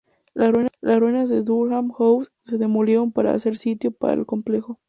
Las ruinas de Durham House se demolieron para hacer sitio para el complejo.